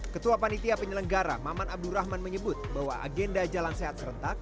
ketua panitia penyelenggara maman abdurrahman menyebut bahwa agenda jalan sehat serentak